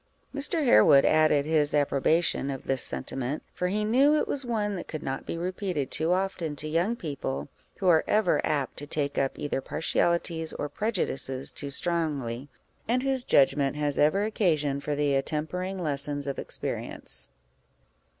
Mr. Harewood added his approbation of this sentiment, for he knew it was one that could not be repeated too often to young people, who are ever apt to take up either partialities or prejudices too strongly, and whose judgment has ever occasion for the attempering lessons of experience.